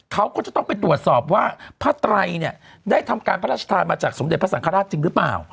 เขาก็จะต้องไปตรวจสอบว่าพระไตรเนี่ยได้ทำการพระราชทานมาจากสมเด็จพระสังฆราชจริงหรือเปล่า